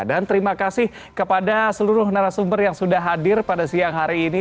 dan terima kasih kepada seluruh narasumber yang sudah hadir pada siang hari ini